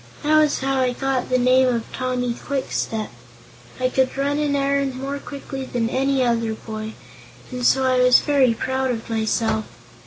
That was how I got my name of Tommy Kwikstep. I could run an errand more quickly than any other boy, and so I was very proud of myself.